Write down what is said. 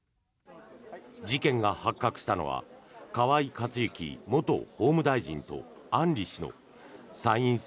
事件が発覚したのは河井克行元法務大臣と案里氏の参院選